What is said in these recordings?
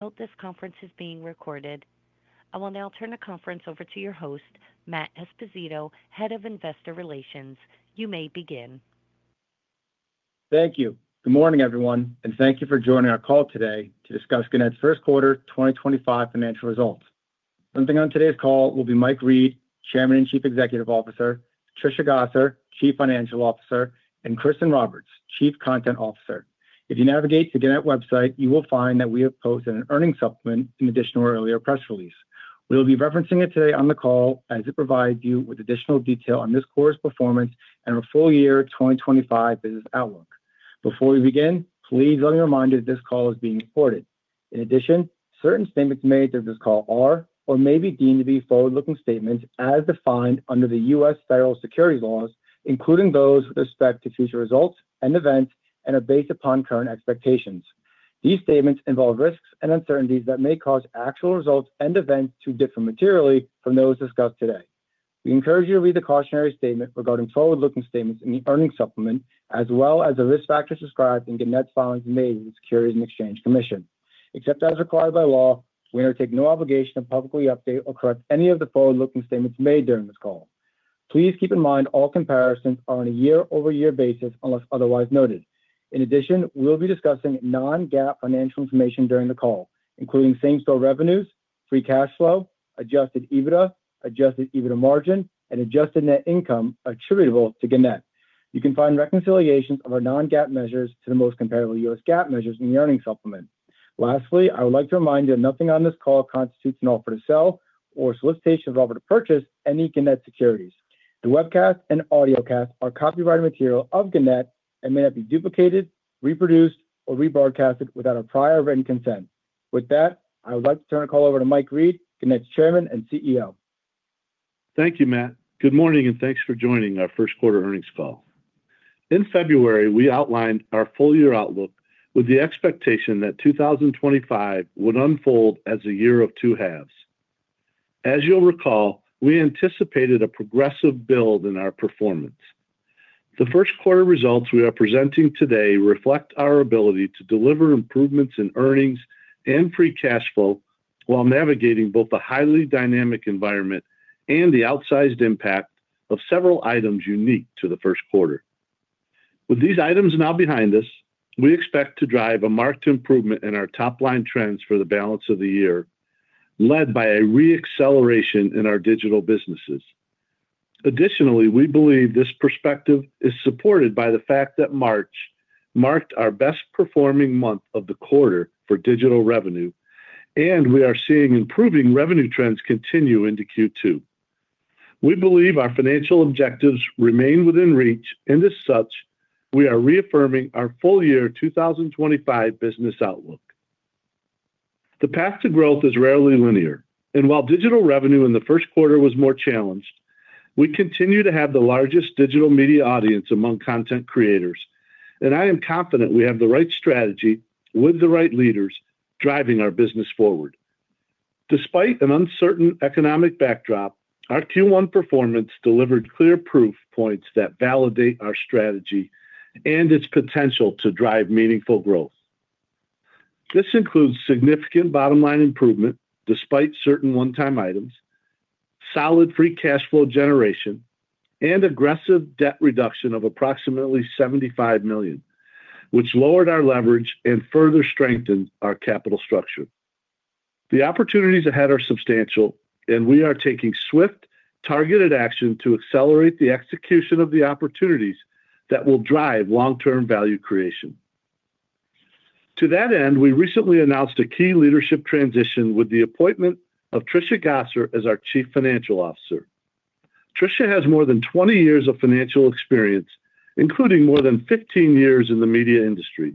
Note this conference is being recorded. I will now turn the conference over to your host, Matt Esposito, Head of Investor Relations. You may begin. Thank you. Good morning, everyone, and thank you for joining our call today to discuss Gannett's Q1 2025 financial results. Presenting on today's call will be Mike Reed, Chairman and Chief Executive Officer; Trisha Gosser, Chief Financial Officer; and Kristin Roberts, Chief Content Officer. If you navigate to Gannett's website, you will find that we have posted an earnings supplement in addition to our earlier press release. We will be referencing it today on the call as it provides you with additional detail on this quarter's performance and our full year 2025 business outlook. Before we begin, please let me remind you that this call is being recorded. In addition, certain statements made during this call are or may be deemed to be forward-looking statements as defined under the U.S. federal securities laws, including those with respect to future results and events, and are based upon current expectations. These statements involve risks and uncertainties that may cause actual results and events to differ materially from those discussed today. We encourage you to read the cautionary statement regarding forward-looking statements in the earnings supplement, as well as the risk factors described in Gannett's filings made with the Securities and Exchange Commission. Except as required by law, we undertake no obligation to publicly update or correct any of the forward-looking statements made during this call. Please keep in mind all comparisons are on a year-over-year basis unless otherwise noted. In addition, we will be discussing non-GAAP financial information during the call, including same-store revenues, free cash flow, adjusted EBITDA, adjusted EBITDA margin, and adjusted net income attributable to Gannett. You can find reconciliations of our non-GAAP measures to the most comparable U.S. GAAP measures in the earnings supplement. Lastly, I would like to remind you that nothing on this call constitutes an offer to sell or solicitation of an offer to purchase any Gannett securities. The webcast and audiocast are copyrighted material of Gannett and may not be duplicated, reproduced, or rebroadcast without prior written consent. With that, I would like to turn the call over to Mike Reed, Gannett's Chairman and CEO. Thank you, Matt. Good morning and thanks for joining our Q1 earnings call. In February, we outlined our full year outlook with the expectation that 2025 would unfold as a year of two halves. As you'll recall, we anticipated a progressive build in our performance. The Q1 results we are presenting today reflect our ability to deliver improvements in earnings and free cash flow while navigating both a highly dynamic environment and the outsized impact of several items unique to the Q1. With these items now behind us, we expect to drive a marked improvement in our top-line trends for the balance of the year, led by a re-acceleration in our digital businesses. Additionally, we believe this perspective is supported by the fact that March marked our best-performing month of the quarter for digital revenue, and we are seeing improving revenue trends continue into Q2. We believe our financial objectives remain within reach, and as such, we are reaffirming our full year 2025 business outlook. The path to growth is rarely linear, and while digital revenue in the Q1 was more challenged, we continue to have the largest digital media audience among content creators, and I am confident we have the right strategy with the right leaders driving our business forward. Despite an uncertain economic backdrop, our Q1 performance delivered clear proof points that validate our strategy and its potential to drive meaningful growth. This includes significant bottom-line improvement despite certain one-time items, solid free cash flow generation, and aggressive debt reduction of approximately $75 million, which lowered our leverage and further strengthened our capital structure. The opportunities ahead are substantial, and we are taking swift, targeted action to accelerate the execution of the opportunities that will drive long-term value creation. To that end, we recently announced a key leadership transition with the appointment of Trisha Gosser as our Chief Financial Officer. Trisha has more than 20 years of financial experience, including more than 15 years in the media industry.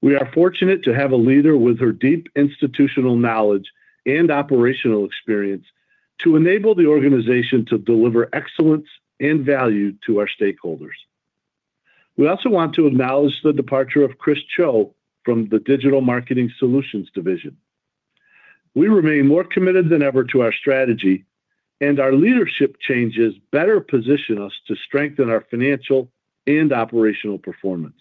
We are fortunate to have a leader with her deep institutional knowledge and operational experience to enable the organization to deliver excellence and value to our stakeholders. We also want to acknowledge the departure of Chris Cho from the Digital Marketing Solutions division. We remain more committed than ever to our strategy, and our leadership changes better position us to strengthen our financial and operational performance.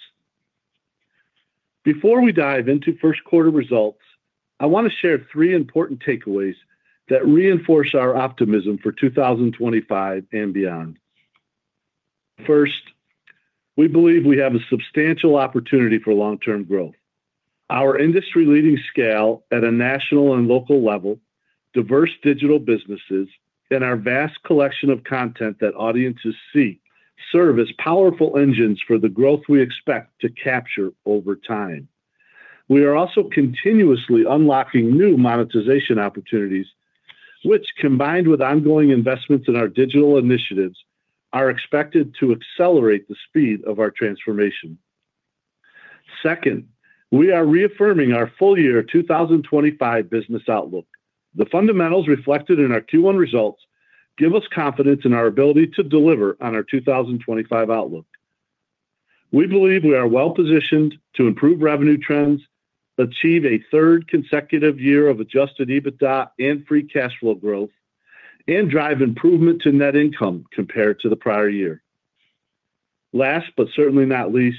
Before we dive into Q1 results, I want to share three important takeaways that reinforce our optimism for 2025 and beyond. First, we believe we have a substantial opportunity for long-term growth. Our industry-leading scale at a national and local level, diverse digital businesses, and our vast collection of content that audiences see serve as powerful engines for the growth we expect to capture over time. We are also continuously unlocking new monetization opportunities, which, combined with ongoing investments in our digital initiatives, are expected to accelerate the speed of our transformation. Second, we are reaffirming our full year 2025 business outlook. The fundamentals reflected in our Q1 results give us confidence in our ability to deliver on our 2025 outlook. We believe we are well-positioned to improve revenue trends, achieve a third consecutive year of adjusted EBITDA and free cash flow growth, and drive improvement to net income compared to the prior year. Last but certainly not least,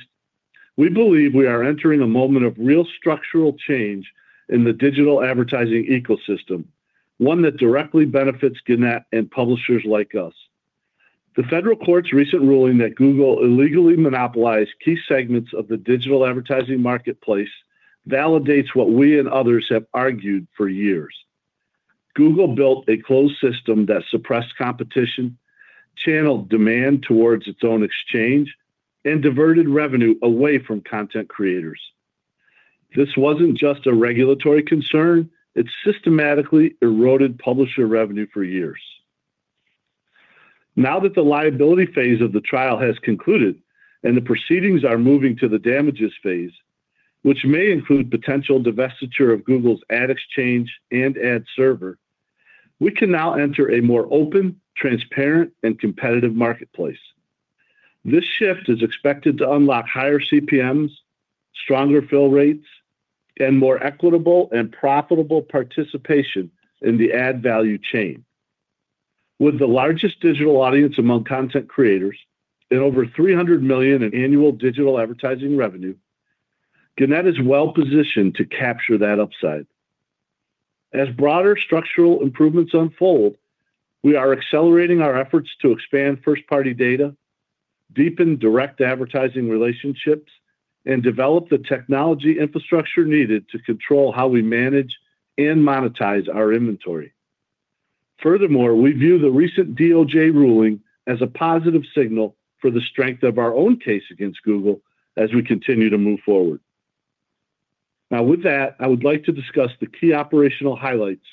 we believe we are entering a moment of real structural change in the digital advertising ecosystem, one that directly benefits Gannett and publishers like us. The federal court's recent ruling that Google illegally monopolized key segments of the digital advertising marketplace validates what we and others have argued for years. Google built a closed system that suppressed competition, channeled demand towards its own exchange, and diverted revenue away from content creators. This was not just a regulatory concern. It systematically eroded publisher revenue for years. Now that the liability phase of the trial has concluded and the proceedings are moving to the damages phase, which may include potential divestiture of Google's Ad Exchange and ad server, we can now enter a more open, transparent, and competitive marketplace. This shift is expected to unlock higher CPMs, stronger fill rates, and more equitable and profitable participation in the ad value chain. With the largest digital audience among content creators and over $300 million in annual digital advertising revenue, Gannett is well-positioned to capture that upside. As broader structural improvements unfold, we are accelerating our efforts to expand first-party data, deepen direct advertising relationships, and develop the technology infrastructure needed to control how we manage and monetize our inventory. Furthermore, we view the recent DOJ ruling as a positive signal for the strength of our own case against Google as we continue to move forward. Now, with that, I would like to discuss the key operational highlights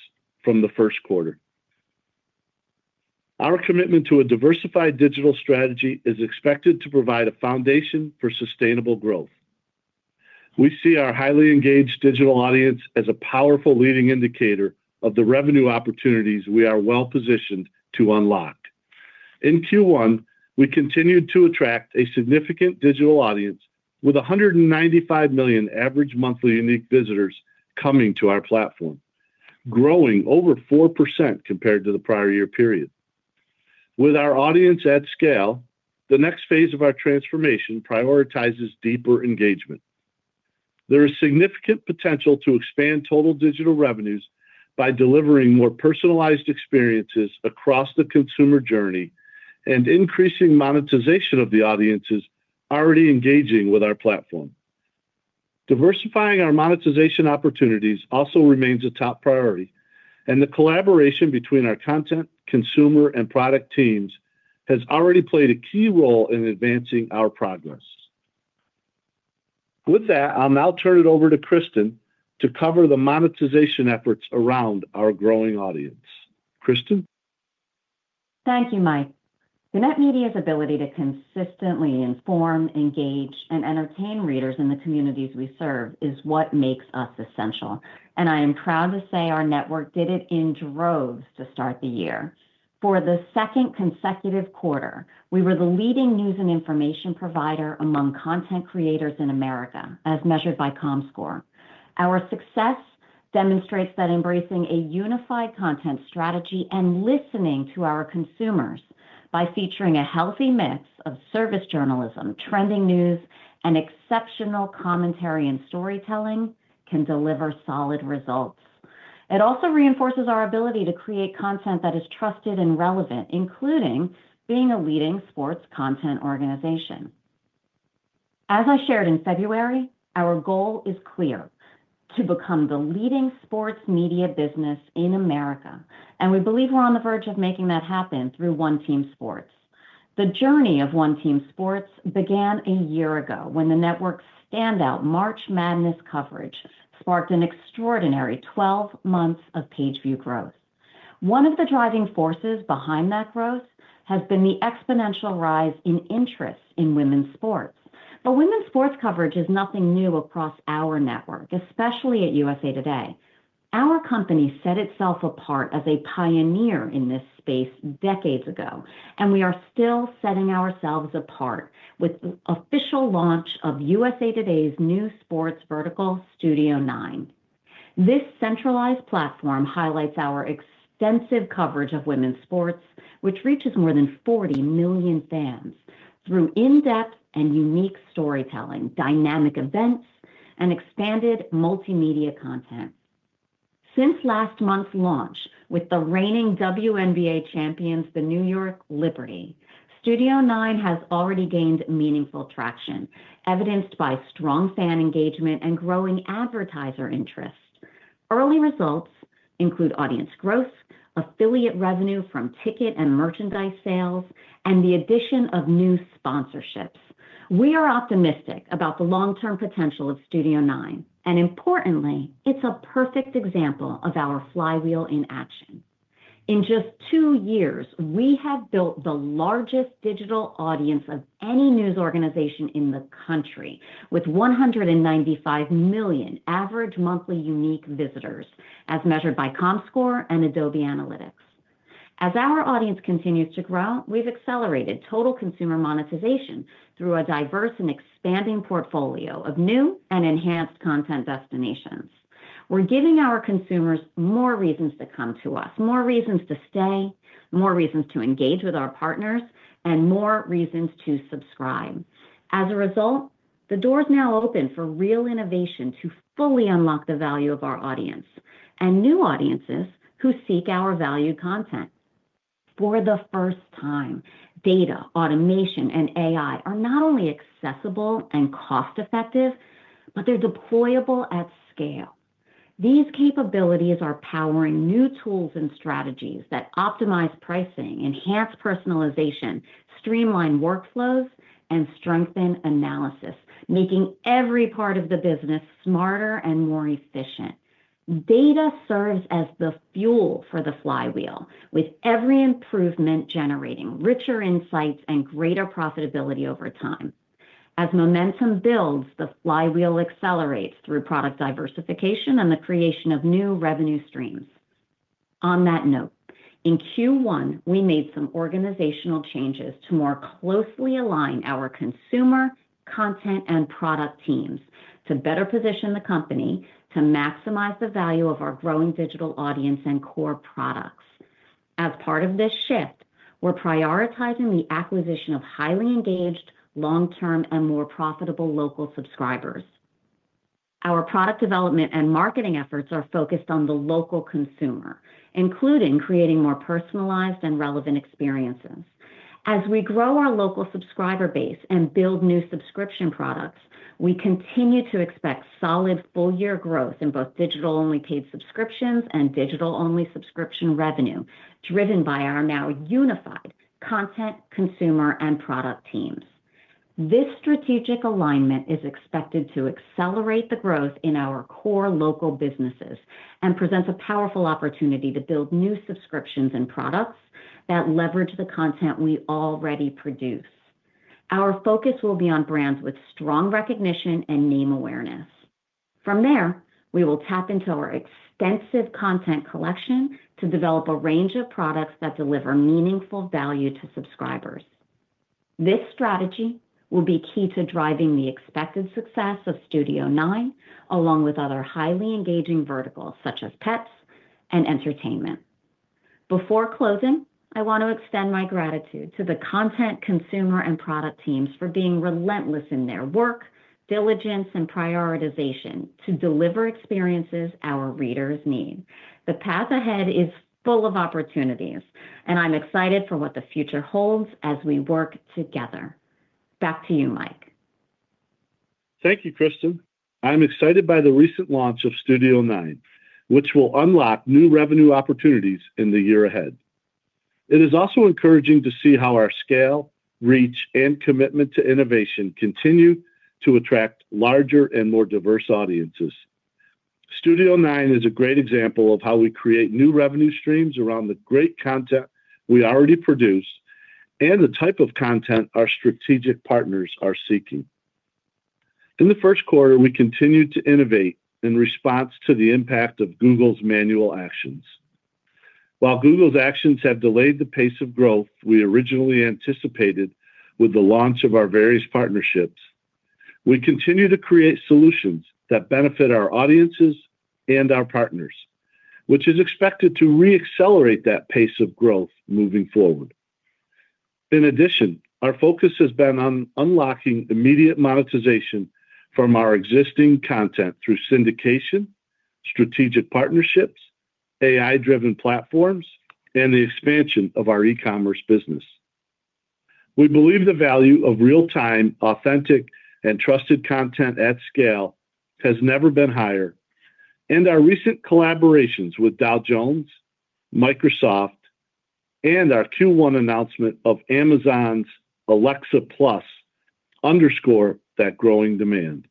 from the Q1. Our commitment to a diversified digital strategy is expected to provide a foundation for sustainable growth. We see our highly engaged digital audience as a powerful leading indicator of the revenue opportunities we are well-positioned to unlock. In Q1, we continued to attract a significant digital audience with $195 million average monthly unique visitors coming to our platform, growing over 4% compared to the prior year period. With our audience at scale, the next phase of our transformation prioritizes deeper engagement. There is significant potential to expand total digital revenues by delivering more personalized experiences across the consumer journey and increasing monetization of the audiences already engaging with our platform. Diversifying our monetization opportunities also remains a top priority, and the collaboration between our content, consumer, and product teams has already played a key role in advancing our progress. With that, I'll now turn it over to Kristin to cover the monetization efforts around our growing audience. Kristin? Thank you, Mike. Gannett Media's ability to consistently inform, engage, and entertain readers in the communities we serve is what makes us essential, and I am proud to say our network did it in droves to start the year. For the second consecutive quarter, we were the leading news and information provider among content creators in America, as measured by Comscore. Our success demonstrates that embracing a unified content strategy and listening to our consumers by featuring a healthy mix of service journalism, trending news, and exceptional commentary and storytelling can deliver solid results. It also reinforces our ability to create content that is trusted and relevant, including being a leading sports content organization. As I shared in February, our goal is clear: to become the leading sports media business in America, and we believe we're on the verge of making that happen through OneTEAM Sports. The journey of OneTEAM Sports began a year ago when the network's standout March Madness coverage sparked an extraordinary 12 months of page view growth. One of the driving forces behind that growth has been the exponential rise in interest in women's sports, but women's sports coverage is nothing new across our network, especially at USA TODAY. Our company set itself apart as a pioneer in this space decades ago, and we are still setting ourselves apart with the official launch of USA TODAY's new sports vertical, Studio IX. This centralized platform highlights our extensive coverage of women's sports, which reaches more than 40 million fans through in-depth and unique storytelling, dynamic events, and expanded multimedia content. Since last month's launch with the reigning WNBA champions, the New York Liberty, Studio IX has already gained meaningful traction, evidenced by strong fan engagement and growing advertiser interest. Early results include audience growth, affiliate revenue from ticket and merchandise sales, and the addition of new sponsorships. We are optimistic about the long-term potential of Studio IX, and importantly, it's a perfect example of our flywheel in action. In just two years, we have built the largest digital audience of any news organization in the country with $195 million average monthly unique visitors, as measured by Comscore and Adobe Analytics. As our audience continues to grow, we've accelerated total consumer monetization through a diverse and expanding portfolio of new and enhanced content destinations. We're giving our consumers more reasons to come to us, more reasons to stay, more reasons to engage with our partners, and more reasons to subscribe. As a result, the door is now open for real innovation to fully unlock the value of our audience and new audiences who seek our valued content. For the first time, data, automation, and AI are not only accessible and cost-effective, but they're deployable at scale. These capabilities are powering new tools and strategies that optimize pricing, enhance personalization, streamline workflows, and strengthen analysis, making every part of the business smarter and more efficient. Data serves as the fuel for the flywheel, with every improvement generating richer insights and greater profitability over time. As momentum builds, the flywheel accelerates through product diversification and the creation of new revenue streams. On that note, in Q1, we made some organizational changes to more closely align our consumer, content, and product teams to better position the company to maximize the value of our growing digital audience and core products. As part of this shift, we're prioritizing the acquisition of highly engaged, long-term, and more profitable local subscribers. Our product development and marketing efforts are focused on the local consumer, including creating more personalized and relevant experiences. As we grow our local subscriber base and build new subscription products, we continue to expect solid full-year growth in both digital-only paid subscriptions and digital-only subscription revenue driven by our now unified content, consumer, and product teams. This strategic alignment is expected to accelerate the growth in our core local businesses and presents a powerful opportunity to build new subscriptions and products that leverage the content we already produce. Our focus will be on brands with strong recognition and name awareness. From there, we will tap into our extensive content collection to develop a range of products that deliver meaningful value to subscribers. This strategy will be key to driving the expected success of Studio IX, along with other highly engaging verticals such as pets and entertainment. Before closing, I want to extend my gratitude to the content, consumer, and product teams for being relentless in their work, diligence, and prioritization to deliver experiences our readers need. The path ahead is full of opportunities, and I'm excited for what the future holds as we work together. Back to you, Mike. Thank you, Kristin. I'm excited by the recent launch of Studio IX, which will unlock new revenue opportunities in the year ahead. It is also encouraging to see how our scale, reach, and commitment to innovation continue to attract larger and more diverse audiences. Studio IX is a great example of how we create new revenue streams around the great content we already produce and the type of content our strategic partners are seeking. In the Q1, we continued to innovate in response to the impact of Google's manual actions. While Google's actions have delayed the pace of growth we originally anticipated with the launch of our various partnerships, we continue to create solutions that benefit our audiences and our partners, which is expected to re-accelerate that pace of growth moving forward. In addition, our focus has been on unlocking immediate monetization from our existing content through syndication, strategic partnerships, AI-driven platforms, and the expansion of our e-commerce business. We believe the value of real-time, authentic, and trusted content at scale has never been higher, and our recent collaborations with Dow Jones, Microsoft, and our Q1 announcement of Amazon's Alexa+ underscore that growing demand.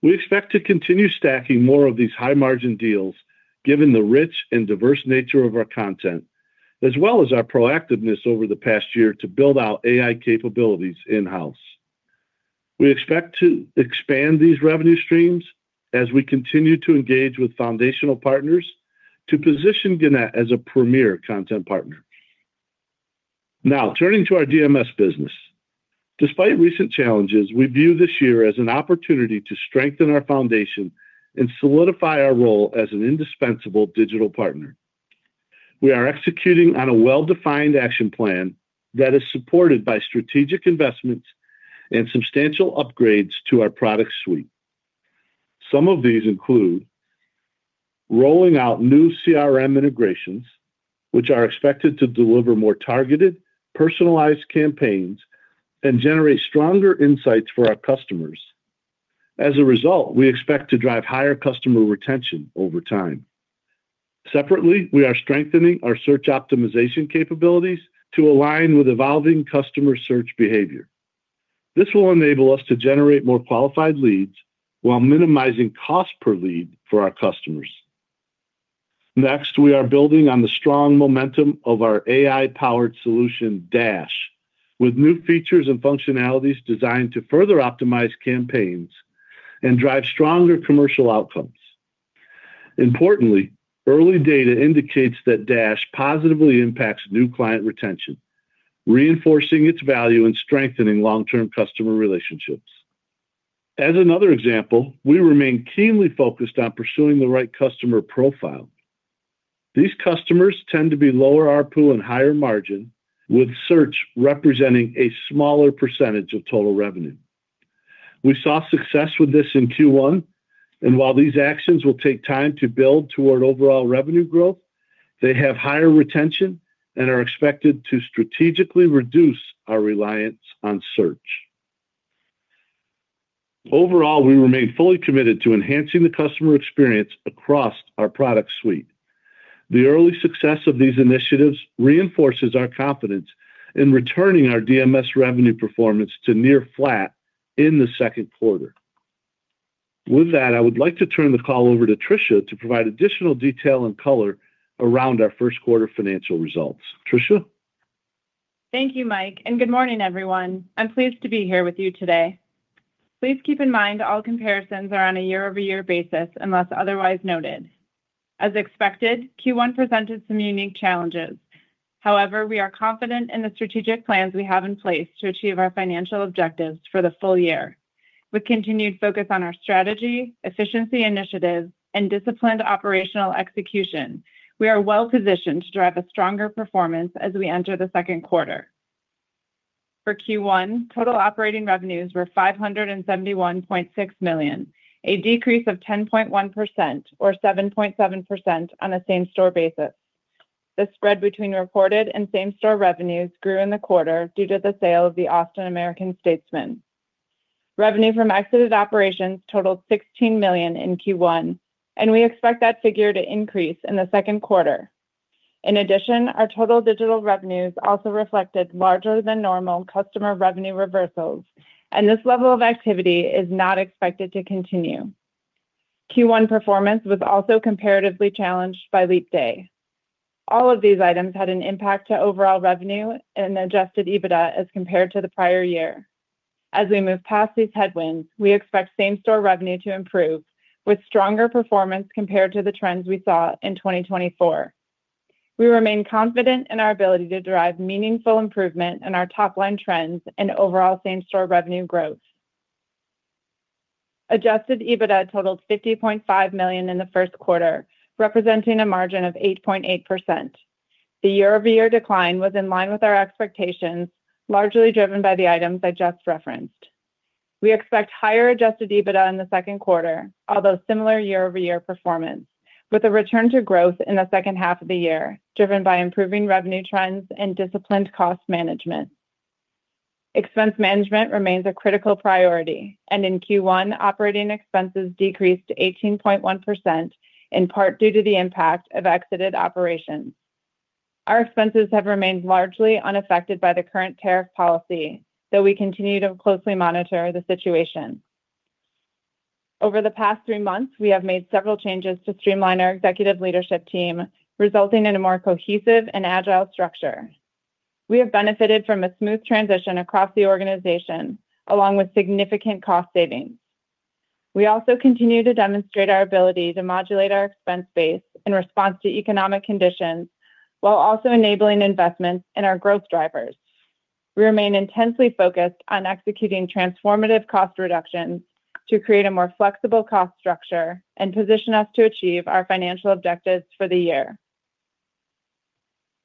We expect to continue stacking more of these high-margin deals given the rich and diverse nature of our content, as well as our proactiveness over the past year to build out AI capabilities in-house. We expect to expand these revenue streams as we continue to engage with foundational partners to position Gannett as a premier content partner. Now, turning to our DMS business. Despite recent challenges, we view this year as an opportunity to strengthen our foundation and solidify our role as an indispensable digital partner. We are executing on a well-defined action plan that is supported by strategic investments and substantial upgrades to our product suite. Some of these include rolling out new CRM integrations, which are expected to deliver more targeted, personalized campaigns and generate stronger insights for our customers. As a result, we expect to drive higher customer retention over time. Separately, we are strengthening our search optimization capabilities to align with evolving customer search behavior. This will enable us to generate more qualified leads while minimizing cost per lead for our customers. Next, we are building on the strong momentum of our AI-powered solution, Dash, with new features and functionalities designed to further optimize campaigns and drive stronger commercial outcomes. Importantly, early data indicates that Dash positively impacts new client retention, reinforcing its value and strengthening long-term customer relationships. As another example, we remain keenly focused on pursuing the right customer profile. These customers tend to be lower RPU and higher margin, with search representing a smaller percentage of total revenue. We saw success with this in Q1, and while these actions will take time to build toward overall revenue growth, they have higher retention and are expected to strategically reduce our reliance on search. Overall, we remain fully committed to enhancing the customer experience across our product suite. The early success of these initiatives reinforces our confidence in returning our DMS revenue performance to near flat in the Q2. With that, I would like to turn the call over to Trisha to provide additional detail and color around our Q1 financial results. Trisha? Thank you, Mike, and good morning, everyone. I'm pleased to be here with you today. Please keep in mind all comparisons are on a year-over-year basis unless otherwise noted. As expected, Q1 presented some unique challenges. However, we are confident in the strategic plans we have in place to achieve our financial objectives for the full year. With continued focus on our strategy, efficiency initiatives, and disciplined operational execution, we are well-positioned to drive a stronger performance as we enter the Q2. For Q1, total operating revenues were $571.6 million, a decrease of 10.1% or 7.7% on a same-store basis. The spread between reported and same-store revenues grew in the quarter due to the sale of the Austin American-Statesman. Revenue from exited operations totaled $16 million in Q1, and we expect that figure to increase in the Q2. In addition, our total digital revenues also reflected larger-than-normal customer revenue reversals, and this level of activity is not expected to continue. Q1 performance was also comparatively challenged by leap day. All of these items had an impact to overall revenue and adjusted EBITDA as compared to the prior year. As we move past these headwinds, we expect same-store revenue to improve with stronger performance compared to the trends we saw in 2024. We remain confident in our ability to drive meaningful improvement in our top-line trends and overall same-store revenue growth. Adjusted EBITDA totaled $50.5 million in the Q1, representing a margin of 8.8%. The year-over-year decline was in line with our expectations, largely driven by the items I just referenced. We expect higher adjusted EBITDA in the Q2, although similar year-over-year performance, with a return to growth in the second half of the year driven by improving revenue trends and disciplined cost management. Expense management remains a critical priority, and in Q1, operating expenses decreased to 18.1% in part due to the impact of exited operations. Our expenses have remained largely unaffected by the current tariff policy, though we continue to closely monitor the situation. Over the past three months, we have made several changes to streamline our executive leadership team, resulting in a more cohesive and agile structure. We have benefited from a smooth transition across the organization, along with significant cost savings. We also continue to demonstrate our ability to modulate our expense base in response to economic conditions while also enabling investments in our growth drivers. We remain intensely focused on executing transformative cost reductions to create a more flexible cost structure and position us to achieve our financial objectives for the year.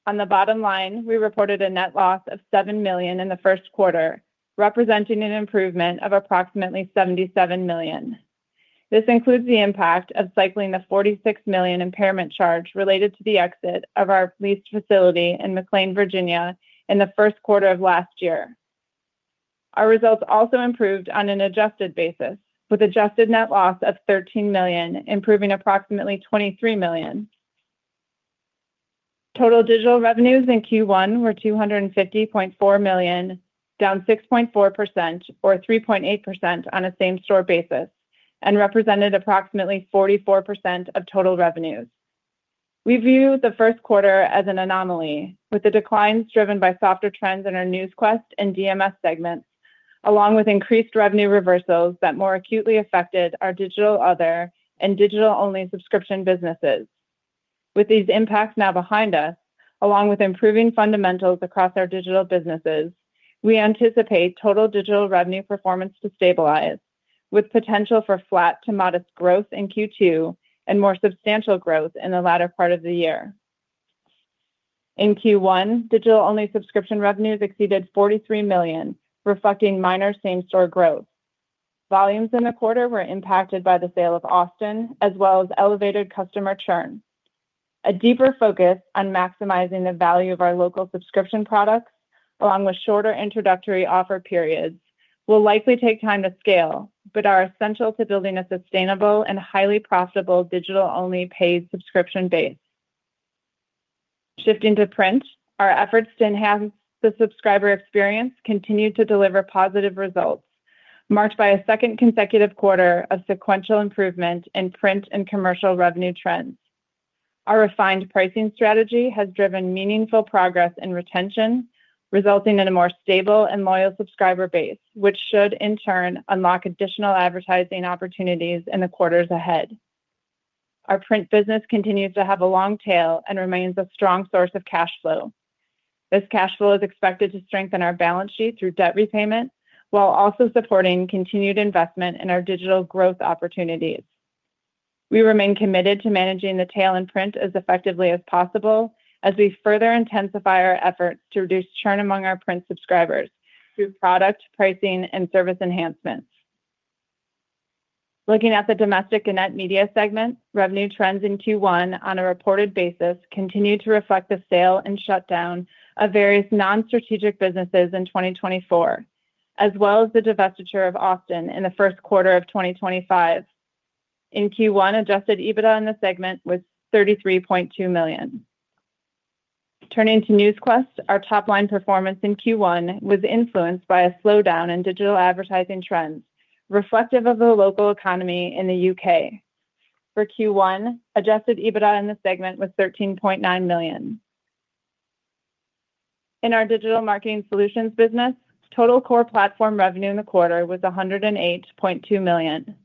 On the bottom line, we reported a net loss of $7 million in the Q1, representing an improvement of approximately $77 million. This includes the impact of cycling the $46 million impairment charge related to the exit of our leased facility in McLean, Virginia, in the Q1 of last year. Our results also improved on an adjusted basis, with adjusted net loss of $13 million, improving approximately $23 million. Total digital revenues in Q1 were $250.4 million, down 6.4% or 3.8% on a same-store basis, and represented approximately 44% of total revenues. We view the Q1 as an anomaly, with the declines driven by softer trends in our Newsquest and DMS segments, along with increased revenue reversals that more acutely affected our digital other and digital-only subscription businesses. With these impacts now behind us, along with improving fundamentals across our digital businesses, we anticipate total digital revenue performance to stabilize, with potential for flat to modest growth in Q2 and more substantial growth in the latter part of the year. In Q1, digital-only subscription revenues exceeded $43 million, reflecting minor same-store growth. Volumes in the quarter were impacted by the sale of Austin, as well as elevated customer churn. A deeper focus on maximizing the value of our local subscription products, along with shorter introductory offer periods, will likely take time to scale, but are essential to building a sustainable and highly profitable digital-only paid subscription base. Shifting to print, our efforts to enhance the subscriber experience continue to deliver positive results, marked by a second consecutive quarter of sequential improvement in print and commercial revenue trends. Our refined pricing strategy has driven meaningful progress in retention, resulting in a more stable and loyal subscriber base, which should, in turn, unlock additional advertising opportunities in the quarters ahead. Our print business continues to have a long tail and remains a strong source of cash flow. This cash flow is expected to strengthen our balance sheet through debt repayment, while also supporting continued investment in our digital growth opportunities. We remain committed to managing the tail in print as effectively as possible as we further intensify our efforts to reduce churn among our print subscribers through product pricing and service enhancements. Looking at the domestic and net media segment, revenue trends in Q1 on a reported basis continue to reflect the sale and shutdown of various non-strategic businesses in 2024, as well as the divestiture of Austin in the Q1 of 2025. In Q1, adjusted EBITDA in the segment was $33.2 million. Turning to Newsquest, our top-line performance in Q1 was influenced by a slowdown in digital advertising trends, reflective of the local economy in the U.K. For Q1, adjusted EBITDA in the segment was $13.9 million. In our Digital Marketing Solutions business, total core platform revenue in the quarter was $108.2 million.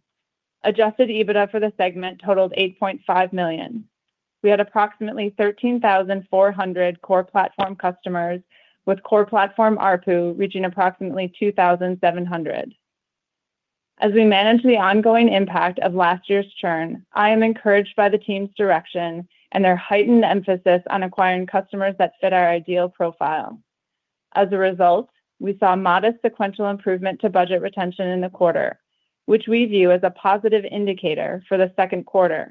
Adjusted EBITDA for the segment totaled $8.5 million. We had approximately 13,400 core platform customers, with core platform RPU reaching approximately $2,700. As we manage the ongoing impact of last year's churn, I am encouraged by the team's direction and their heightened emphasis on acquiring customers that fit our ideal profile. As a result, we saw modest sequential improvement to budget retention in the quarter, which we view as a positive indicator for the Q2.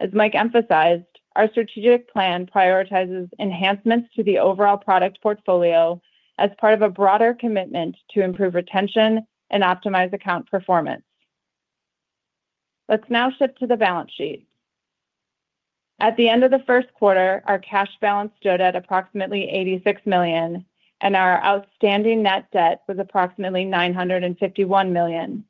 As Mike emphasized, our strategic plan prioritizes enhancements to the overall product portfolio as part of a broader commitment to improve retention and optimize account performance. Let's now shift to the balance sheet. At the end of the Q1, our cash balance stood at approximately $86 million, and our outstanding net debt was approximately $951 million.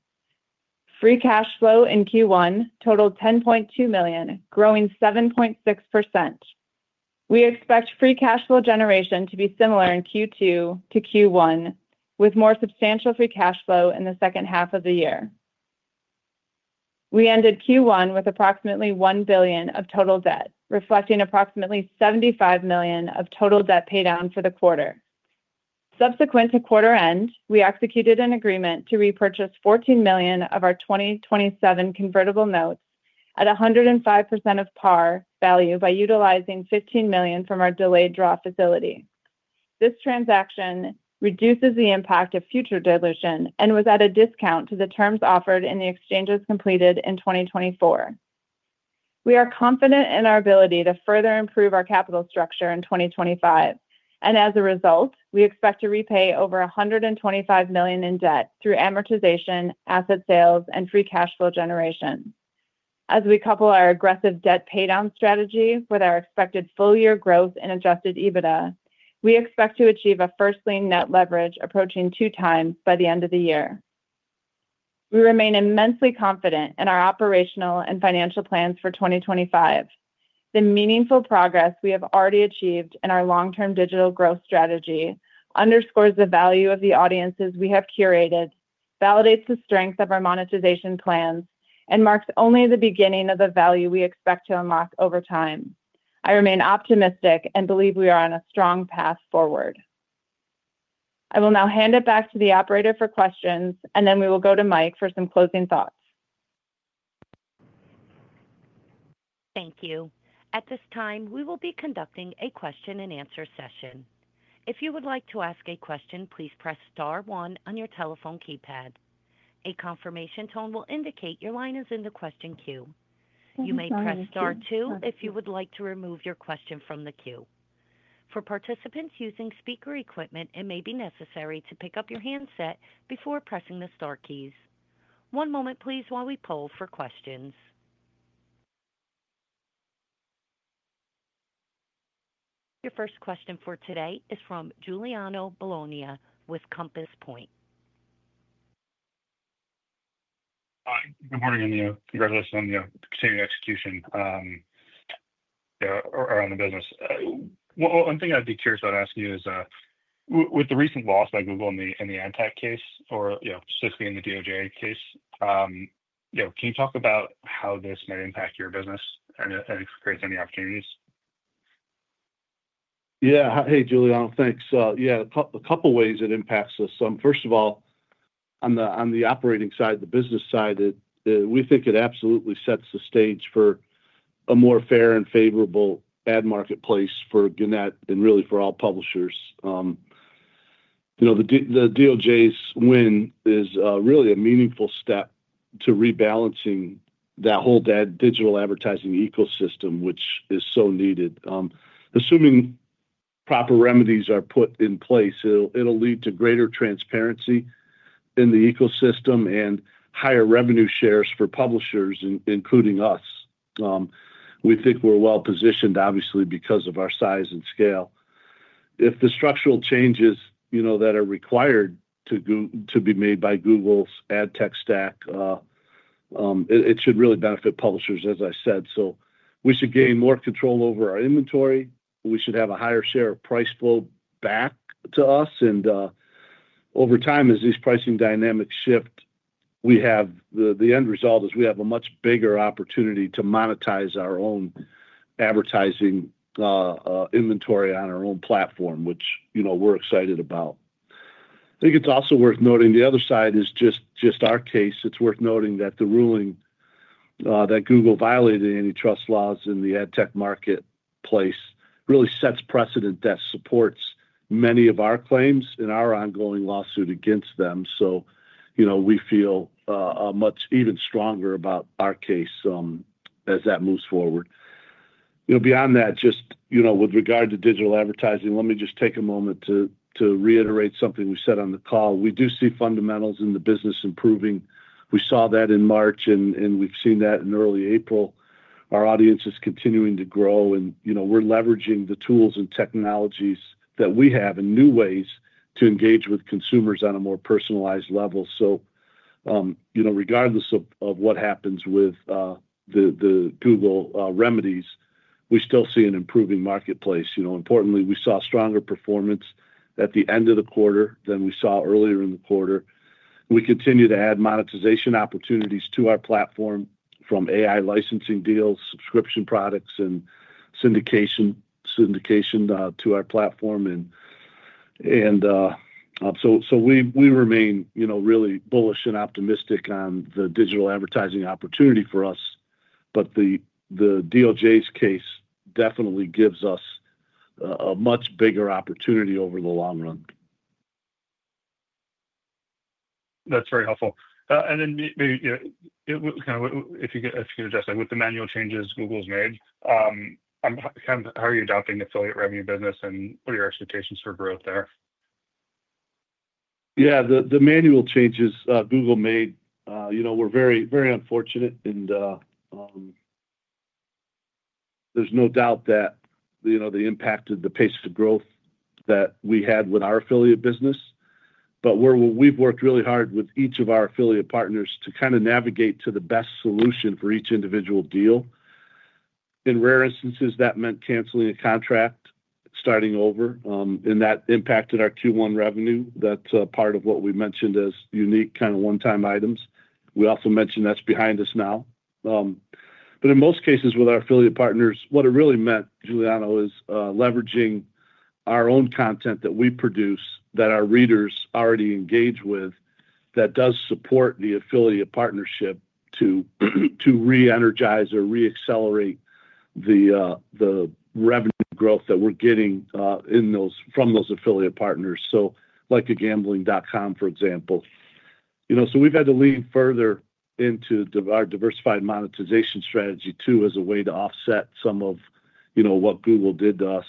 Free cash flow in Q1 totaled $10.2 million, growing 7.6%. We expect free cash flow generation to be similar in Q2 to Q1, with more substantial free cash flow in the second half of the year. We ended Q1 with approximately $1 billion of total debt, reflecting approximately $75 million of total debt paydown for the quarter. Subsequent to quarter end, we executed an agreement to repurchase $14 million of our 2027 convertible notes at 105% of par value by utilizing $15 million from our delayed draw facility. This transaction reduces the impact of future dilution and was at a discount to the terms offered in the exchanges completed in 2024. We are confident in our ability to further improve our capital structure in 2025, and as a result, we expect to repay over $125 million in debt through amortization, asset sales, and free cash flow generation. As we couple our aggressive debt paydown strategy with our expected full-year growth and adjusted EBITDA, we expect to achieve a first-lien net leverage approaching two times by the end of the year. We remain immensely confident in our operational and financial plans for 2025. The meaningful progress we have already achieved in our long-term digital growth strategy underscores the value of the audiences we have curated, validates the strength of our monetization plans, and marks only the beginning of the value we expect to unlock over time. I remain optimistic and believe we are on a strong path forward. I will now hand it back to the operator for questions, and then we will go to Mike for some closing thoughts. Thank you. At this time, we will be conducting a question-and-answer session. If you would like to ask a question, please press star one on your telephone keypad. A confirmation tone will indicate your line is in the question queue. You may press star two if you would like to remove your question from the queue. For participants using speaker equipment, it may be necessary to pick up your handset before pressing the star keys. One moment, please, while we poll for questions. Your first question for today is from Giuliano Bologna with Compass Point. Hi. Good morning, and congratulations on the continued execution around the business. One thing I'd be curious about asking you is, with the recent loss by Google in the AdTech case, or specifically in the DOJ case, can you talk about how this might impact your business and create any opportunities? Yeah. Hey, Giuliano. Thanks. Yeah, a couple of ways it impacts us. First of all, on the operating side, the business side, we think it absolutely sets the stage for a more fair and favorable ad marketplace for Gannett and really for all publishers. The DOJ's win is really a meaningful step to rebalancing that whole digital advertising ecosystem, which is so needed. Assuming proper remedies are put in place, it'll lead to greater transparency in the ecosystem and higher revenue shares for publishers, including us. We think we're well positioned, obviously, because of our size and scale. If the structural changes that are required to be made by Google's AdTech stack, it should really benefit publishers, as I said. We should gain more control over our inventory. We should have a higher share of price flow back to us. Over time, as these pricing dynamics shift, the end result is we have a much bigger opportunity to monetize our own advertising inventory on our own platform, which we're excited about. I think it's also worth noting the other side is just our case. It's worth noting that the ruling that Google violated antitrust laws in the AdTech marketplace really sets precedent that supports many of our claims and our ongoing lawsuit against them. We feel much even stronger about our case as that moves forward. Beyond that, just with regard to digital advertising, let me just take a moment to reiterate something we said on the call. We do see fundamentals in the business improving. We saw that in March, and we've seen that in early April. Our audience is continuing to grow, and we're leveraging the tools and technologies that we have in new ways to engage with consumers on a more personalized level. Regardless of what happens with the Google remedies, we still see an improving marketplace. Importantly, we saw stronger performance at the end of the quarter than we saw earlier in the quarter. We continue to add monetization opportunities to our platform from AI licensing deals, subscription products, and syndication to our platform. We remain really bullish and optimistic on the digital advertising opportunity for us, but the DOJ's case definitely gives us a much bigger opportunity over the long run. That's very helpful. Maybe if you could address with the manual changes Google's made, how are you adopting affiliate revenue business and what are your expectations for growth there? Yeah. The manual changes Google made were very unfortunate, and there's no doubt that the impact of the pace of growth that we had with our affiliate business. We've worked really hard with each of our affiliate partners to kind of navigate to the best solution for each individual deal. In rare instances, that meant canceling a contract, starting over, and that impacted our Q1 revenue. That's part of what we mentioned as unique kind of one-time items. We also mentioned that's behind us now. In most cases with our affiliate partners, what it really meant, Giuliano, is leveraging our own content that we produce that our readers already engage with that does support the affiliate partnership to re-energize or re-accelerate the revenue growth that we're getting from those affiliate partners. Like a Gambling.com, for example. We've had to lean further into our diversified monetization strategy too as a way to offset some of what Google did to us.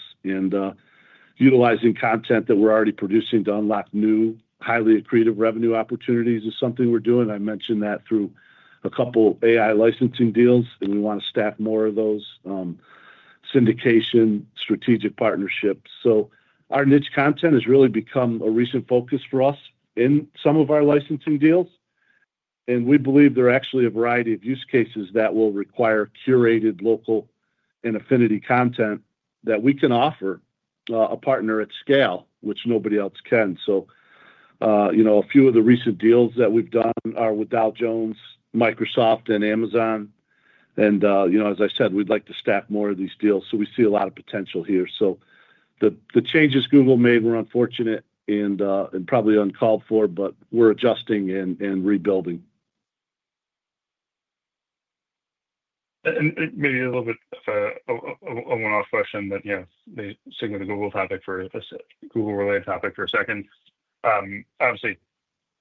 Utilizing content that we're already producing to unlock new highly accretive revenue opportunities is something we're doing. I mentioned that through a couple of AI licensing deals, and we want to staff more of those syndication strategic partnerships. Our niche content has really become a recent focus for us in some of our licensing deals. We believe there are actually a variety of use cases that will require curated local and affinity content that we can offer a partner at scale, which nobody else can. A few of the recent deals that we've done are with Dow Jones, Microsoft, and Amazon. As I said, we'd like to staff more of these deals. We see a lot of potential here. The changes Google made were unfortunate and probably uncalled for, but we're adjusting and rebuilding. Maybe a little bit of a one-off question, but the same with the Google topic for a Google-related topic for a second. Obviously,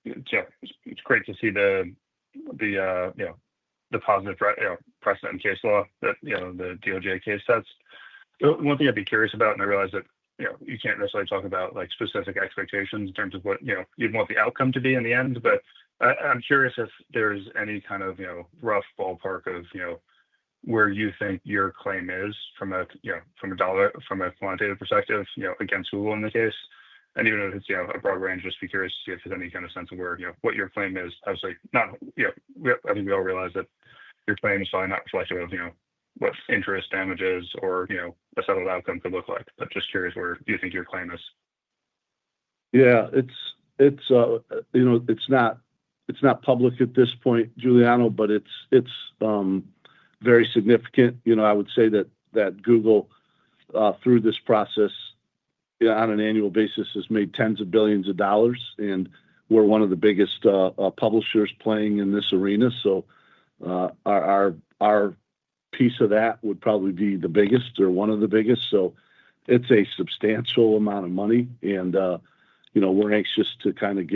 it's great to see the positive precedent case law that the U.S. Department of Justice case has. One thing I'd be curious about, and I realize that you can't necessarily talk about specific expectations in terms of what you'd want the outcome to be in the end, but I'm curious if there's any kind of rough ballpark of where you think your claim is from a quantitative perspective against Google in the case. Even if it's a broad range, just be curious to see if there's any kind of sense of where what your claim is. Obviously, I think we all realize that your claim is probably not reflective of what interest damages or a settled outcome could look like, but just curious where you think your claim is. Yeah. It's not public at this point, Giuliano, but it's very significant. I would say that Google, through this process, on an annual basis, has made tens of billions of dollars, and we're one of the biggest publishers playing in this arena. Our piece of that would probably be the biggest or one of the biggest. It's a substantial amount of money, and we're anxious to kind of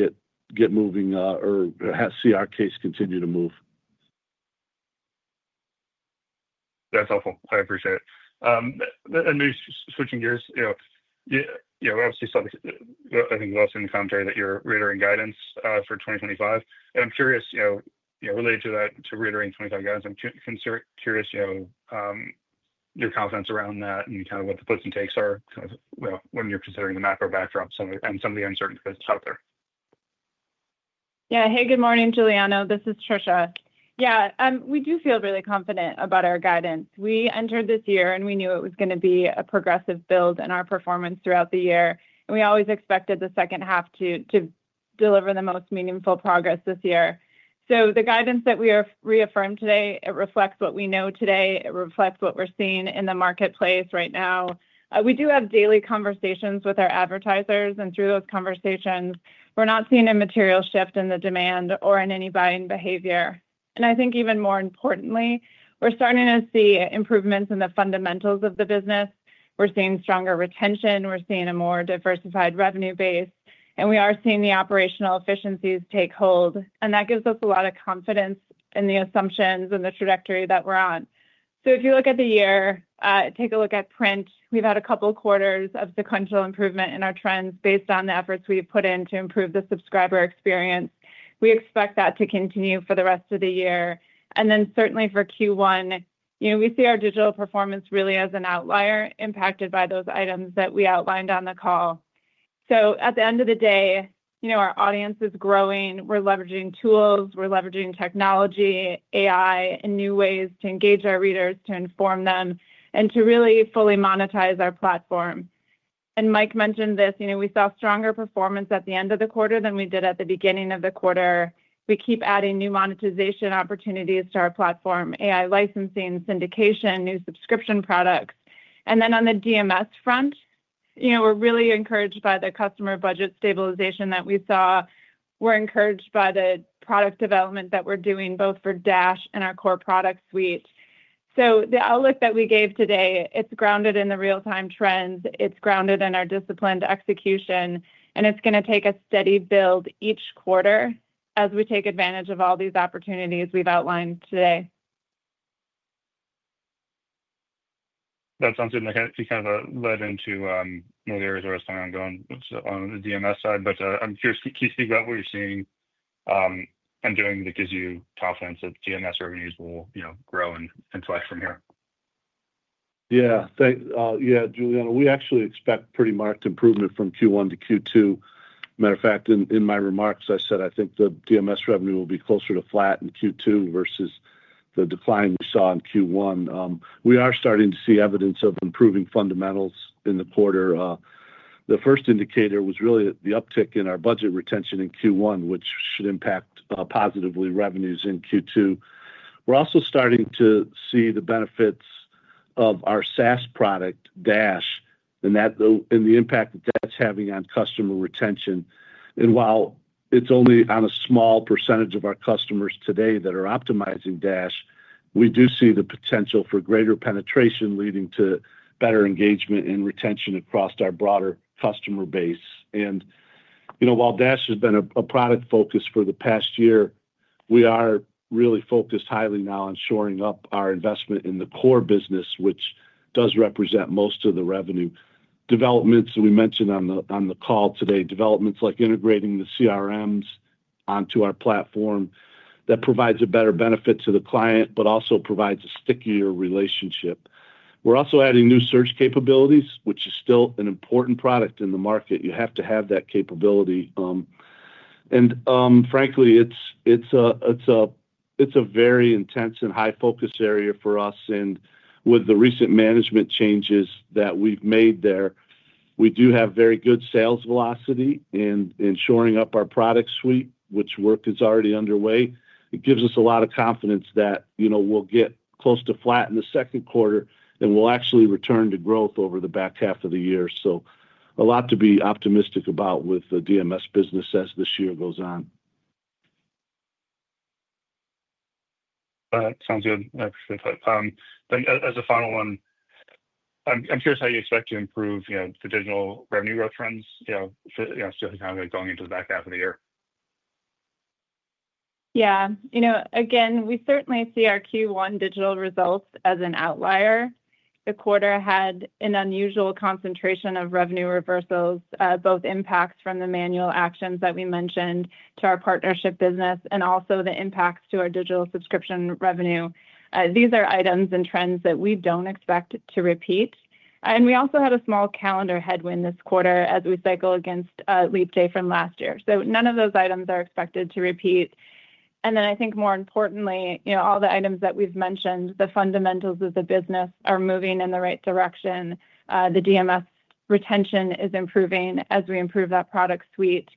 get moving or see our case continue to move. That's helpful. I appreciate it. Switching gears, obviously, I think we've also seen the commentary that you're reiterating guidance for 2025. I'm curious, related to that, to reiterating 2025 guidance, I'm curious your confidence around that and kind of what the puts and takes are when you're considering the macro backdrop and some of the uncertainties out there. Yeah. Hey, good morning, Giuliano. This is Trisha. Yeah. We do feel really confident about our guidance. We entered this year, and we knew it was going to be a progressive build in our performance throughout the year. We always expected the second half to deliver the most meaningful progress this year. The guidance that we reaffirmed today, it reflects what we know today. It reflects what we're seeing in the marketplace right now. We do have daily conversations with our advertisers, and through those conversations, we're not seeing a material shift in the demand or in any buying behavior. I think even more importantly, we're starting to see improvements in the fundamentals of the business. We're seeing stronger retention. We're seeing a more diversified revenue base. We are seeing the operational efficiencies take hold. That gives us a lot of confidence in the assumptions and the trajectory that we're on. If you look at the year, take a look at print, we've had a couple of quarters of sequential improvement in our trends based on the efforts we've put in to improve the subscriber experience. We expect that to continue for the rest of the year. Certainly for Q1, we see our digital performance really as an outlier impacted by those items that we outlined on the call. At the end of the day, our audience is growing. We're leveraging tools. We're leveraging technology, AI, and new ways to engage our readers, to inform them, and to really fully monetize our platform. Mike mentioned this. We saw stronger performance at the end of the quarter than we did at the beginning of the quarter. We keep adding new monetization opportunities to our platform, AI licensing, syndication, new subscription products. On the DMS front, we're really encouraged by the customer budget stabilization that we saw. We're encouraged by the product development that we're doing both for Dash and our core product suite. The outlook that we gave today, it's grounded in the real-time trends. It's grounded in our disciplined execution, and it's going to take a steady build each quarter as we take advantage of all these opportunities we've outlined today. That sounds good. I think you kind of led into one of the areas where I was planning on going on the DMS side, but I'm curious, can you speak about what you're seeing and doing that gives you confidence that DMS revenues will grow and inflect from here? Yeah. Yeah, Giuliano, we actually expect pretty marked improvement from Q1 to Q2. As a matter of fact, in my remarks, I said I think the DMS revenue will be closer to flat in Q2 versus the decline we saw in Q1. We are starting to see evidence of improving fundamentals in the quarter. The first indicator was really the uptick in our budget retention in Q1, which should impact positively revenues in Q2. We are also starting to see the benefits of our SaaS product, Dash, and the impact that that's having on customer retention. While it's only on a small percentage of our customers today that are optimizing Dash, we do see the potential for greater penetration leading to better engagement and retention across our broader customer base. While Dash has been a product focus for the past year, we are really focused highly now on shoring up our investment in the core business, which does represent most of the revenue developments that we mentioned on the call today, developments like integrating the CRMs onto our platform that provides a better benefit to the client, but also provides a stickier relationship. We are also adding new search capabilities, which is still an important product in the market. You have to have that capability. Frankly, it is a very intense and high-focus area for us. With the recent management changes that we have made there, we do have very good sales velocity in shoring up our product suite, which work is already underway. It gives us a lot of confidence that we'll get close to flat in the Q2, and we'll actually return to growth over the back half of the year. A lot to be optimistic about with the DMS business as this year goes on. That sounds good. I appreciate that. As a final one, I'm curious how you expect to improve the digital revenue growth trends still kind of going into the back half of the year. Yeah. Again, we certainly see our Q1 digital results as an outlier. The quarter had an unusual concentration of revenue reversals, both impacts from the manual actions that we mentioned to our partnership business and also the impacts to our digital subscription revenue. These are items and trends that we do not expect to repeat. We also had a small calendar headwind this quarter as we cycle against leap day from last year. None of those items are expected to repeat. I think more importantly, all the items that we have mentioned, the fundamentals of the business are moving in the right direction. The DMS retention is improving as we improve that product suite.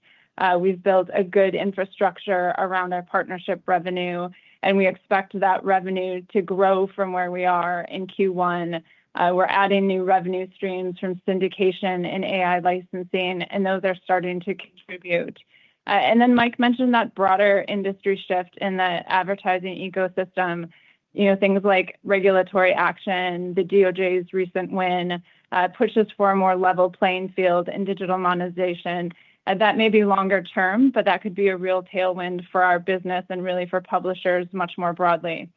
We have built a good infrastructure around our partnership revenue, and we expect that revenue to grow from where we are in Q1. We're adding new revenue streams from syndication and AI licensing, and those are starting to contribute. Mike mentioned that broader industry shift in the advertising ecosystem, things like regulatory action, the DOJ's recent win, pushes for a more level playing field in digital monetization. That may be longer term, but that could be a real tailwind for our business and really for publishers much more broadly.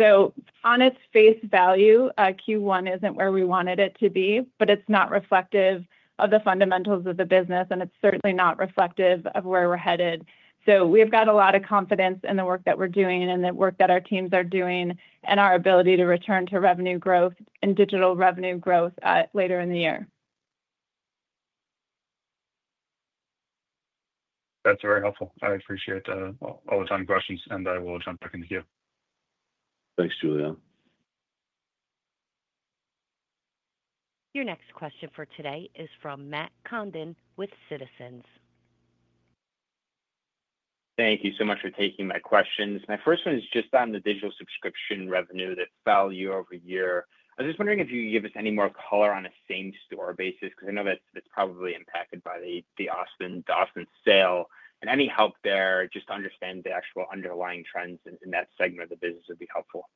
On its face value, Q1 isn't where we wanted it to be, but it's not reflective of the fundamentals of the business, and it's certainly not reflective of where we're headed. We've got a lot of confidence in the work that we're doing and the work that our teams are doing and our ability to return to revenue growth and digital revenue growth later in the year. That's very helpful. I appreciate all the time, questions, and I will jump back into Q. Thanks, Giuliano. Your next question for today is from Matt Condon with Citizens. Thank you so much for taking my questions. My first one is just on the digital subscription revenue that fell year-over-year. I was just wondering if you could give us any more color on a same-store basis because I know that it's probably impacted by the Austin sale. Any help there just to understand the actual underlying trends in that segment of the business would be helpful.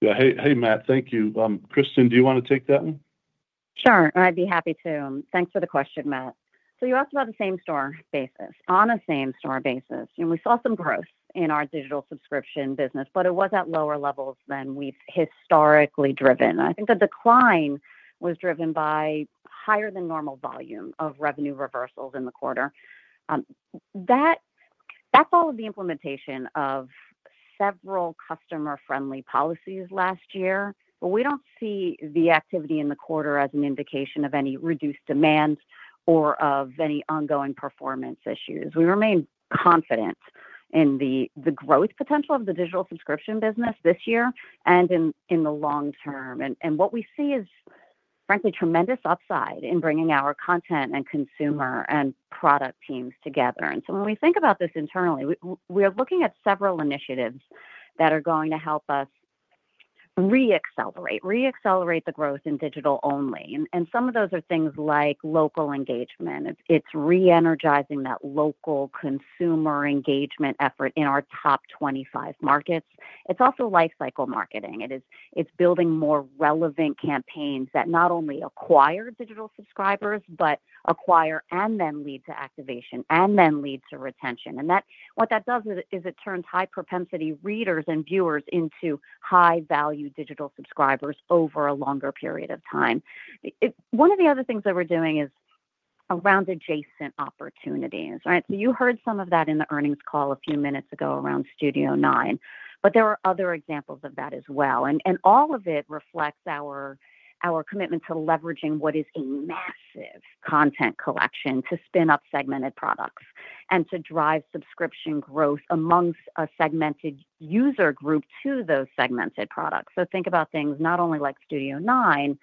Yeah. Hey, Matt. Thank you. Kristin, do you want to take that one? Sure. I'd be happy to. Thanks for the question, Matt. You asked about the same-store basis. On a same-store basis, we saw some growth in our digital subscription business, but it was at lower levels than we've historically driven. I think the decline was driven by higher than normal volume of revenue reversals in the quarter. That's all of the implementation of several customer-friendly policies last year, but we don't see the activity in the quarter as an indication of any reduced demand or of any ongoing performance issues. We remain confident in the growth potential of the digital subscription business this year and in the long term. What we see is, frankly, tremendous upside in bringing our content and consumer and product teams together. When we think about this internally, we are looking at several initiatives that are going to help us re-accelerate the growth in digital only. Some of those are things like local engagement. It is re-energizing that local consumer engagement effort in our top 25 markets. It is also lifecycle marketing. It is building more relevant campaigns that not only acquire digital subscribers, but acquire and then lead to activation and then lead to retention. What that does is it turns high-propensity readers and viewers into high-value digital subscribers over a longer period of time. One of the other things that we are doing is around adjacent opportunities, right? You heard some of that in the earnings call a few minutes ago around Studio IX, but there are other examples of that as well. All of it reflects our commitment to leveraging what is a massive content collection to spin up segmented products and to drive subscription growth amongst a segmented user group to those segmented products. Think about things not only like Studio IX,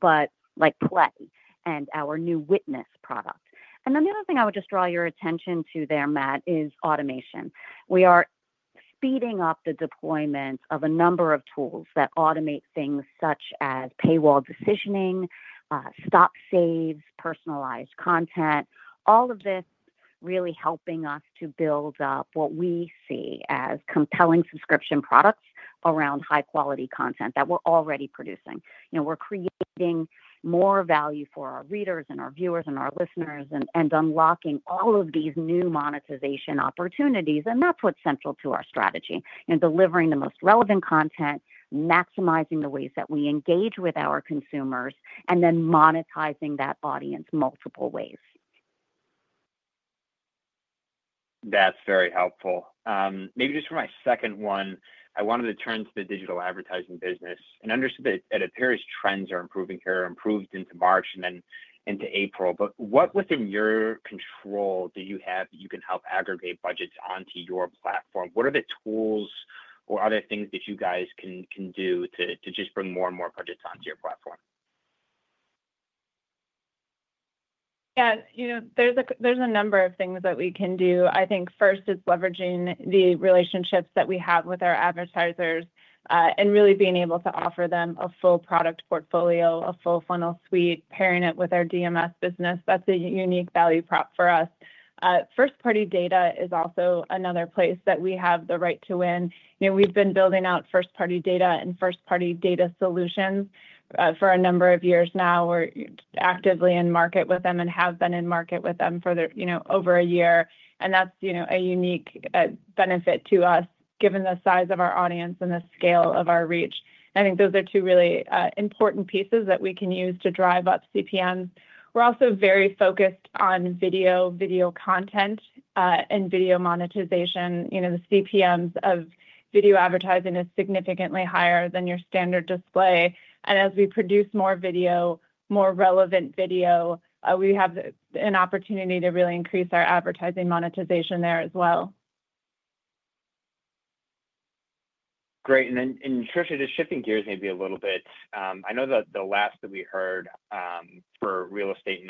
but like PLAY and our new WITNESS product. The other thing I would just draw your attention to there, Matt, is automation. We are speeding up the deployment of a number of tools that automate things such as paywall decisioning, stop-saves, personalized content, all of this really helping us to build up what we see as compelling subscription products around high-quality content that we are already producing. We are creating more value for our readers and our viewers and our listeners and unlocking all of these new monetization opportunities. That's what's central to our strategy, delivering the most relevant content, maximizing the ways that we engage with our consumers, and then monetizing that audience multiple ways. That's very helpful. Maybe just for my second one, I wanted to turn to the digital advertising business. I understand that it appears trends are improving here, improved into March and then into April. What within your control do you have that you can help aggregate budgets onto your platform? What are the tools or other things that you guys can do to just bring more and more budgets onto your platform? Yeah. There's a number of things that we can do. I think first is leveraging the relationships that we have with our advertisers and really being able to offer them a full product portfolio, a full funnel suite, pairing it with our DMS business. That's a unique value prop for us. First-party data is also another place that we have the right to win. We've been building out first-party data and first-party data solutions for a number of years now. We're actively in market with them and have been in market with them for over a year. That's a unique benefit to us given the size of our audience and the scale of our reach. I think those are two really important pieces that we can use to drive up CPMs. We're also very focused on video, video content, and video monetization. The CPMs of video advertising is significantly higher than your standard display. As we produce more video, more relevant video, we have an opportunity to really increase our advertising monetization there as well. Great. I'm curious, just shifting gears maybe a little bit. I know that the last that we heard for real estate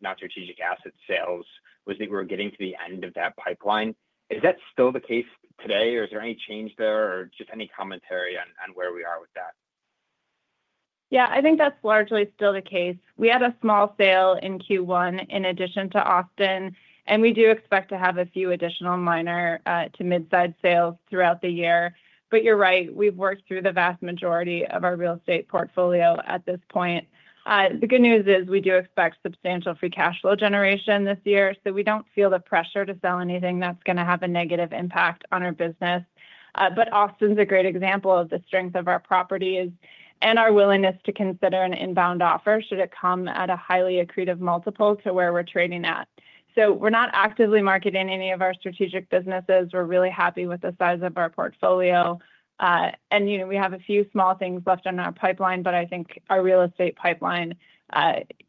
non-strategic asset sales, I think we're getting to the end of that pipeline. Is that still the case today, or is there any change there, or just any commentary on where we are with that? Yeah. I think that's largely still the case. We had a small sale in Q1 in addition to Austin, and we do expect to have a few additional minor to mid-size sales throughout the year. You're right, we've worked through the vast majority of our real estate portfolio at this point. The good news is we do expect substantial free cash flow generation this year, so we don't feel the pressure to sell anything that's going to have a negative impact on our business. Austin's a great example of the strength of our properties and our willingness to consider an inbound offer should it come at a highly accretive multiple to where we're trading at. We're not actively marketing any of our strategic businesses. We're really happy with the size of our portfolio. We have a few small things left on our pipeline, but I think our real estate pipeline,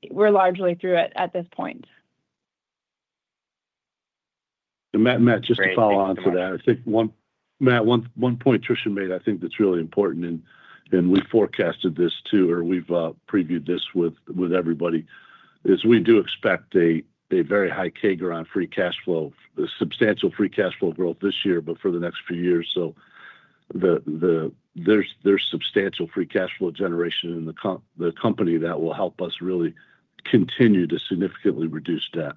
we're largely through it at this point. Matt, just to follow on to that, I think one point Trisha made, I think that's really important, and we forecasted this too, or we've previewed this with everybody, is we do expect a very high CAGR on free cash flow, substantial free cash flow growth this year, but for the next few years. There is substantial free cash flow generation in the company that will help us really continue to significantly reduce debt.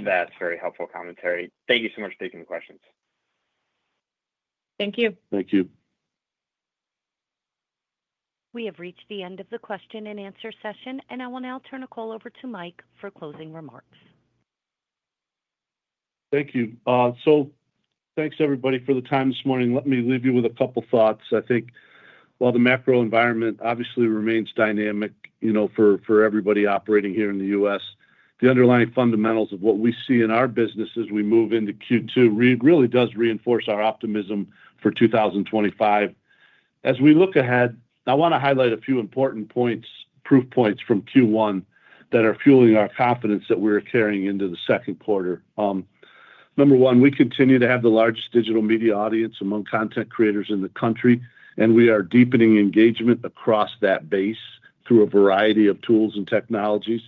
That's very helpful commentary. Thank you so much for taking the questions. Thank you. Thank you. We have reached the end of the question and answer session, and I will now turn the call over to Mike for closing remarks. Thank you. Thanks, everybody, for the time this morning. Let me leave you with a couple of thoughts. I think while the macro environment obviously remains dynamic for everybody operating here in the U.S., the underlying fundamentals of what we see in our business as we move into Q2 really do reinforce our optimism for 2025. As we look ahead, I want to highlight a few important proof points from Q1 that are fueling our confidence that we're carrying into the Q2. Number one, we continue to have the largest digital media audience among content creators in the country, and we are deepening engagement across that base through a variety of tools and technologies.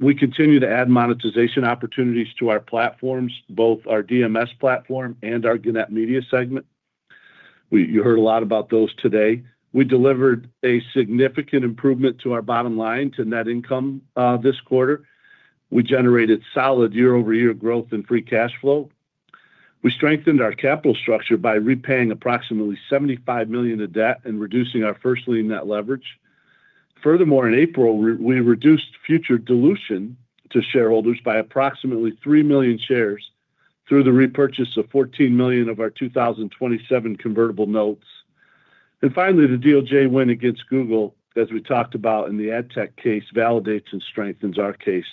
We continue to add monetization opportunities to our platforms, both our DMS platform and our Gannett Media segment. You heard a lot about those today. We delivered a significant improvement to our bottom line, to net income this quarter. We generated solid year-over-year growth in free cash flow. We strengthened our capital structure by repaying approximately $75 million of debt and reducing our first-lien net leverage. Furthermore, in April, we reduced future dilution to shareholders by approximately 3 million shares through the repurchase of $14 million of our 2027 convertible notes. Finally, the DOJ win against Google, as we talked about in the ad tech case, validates and strengthens our case.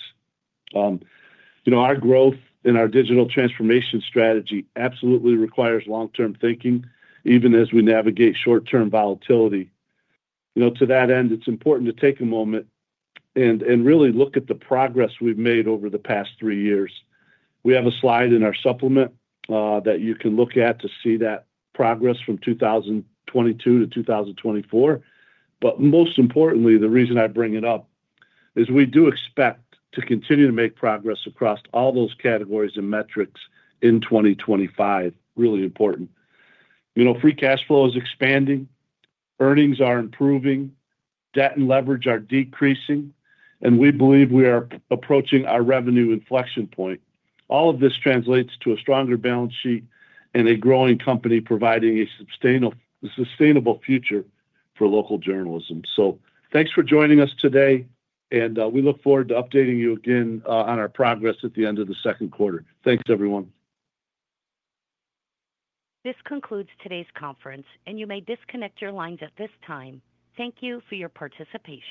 Our growth in our digital transformation strategy absolutely requires long-term thinking, even as we navigate short-term volatility. To that end, it's important to take a moment and really look at the progress we've made over the past three years. We have a slide in our supplement that you can look at to see that progress from 2022 to 2024. Most importantly, the reason I bring it up is we do expect to continue to make progress across all those categories and metrics in 2025. Really important. Free cash flow is expanding. Earnings are improving. Debt and leverage are decreasing. We believe we are approaching our revenue inflection point. All of this translates to a stronger balance sheet and a growing company providing a sustainable future for local journalism. Thanks for joining us today, and we look forward to updating you again on our progress at the end of the Q2. Thanks, everyone. This concludes today's conference, and you may disconnect your lines at this time. Thank you for your participation.